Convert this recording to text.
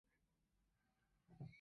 唔理公乸，生出嚟就收兩皮